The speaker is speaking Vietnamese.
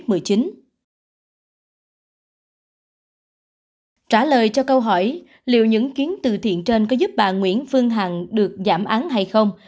trả lời cho câu hỏi liệu những kiến từ thiện trên có giúp bà nguyễn phương hằng được giảm án hay không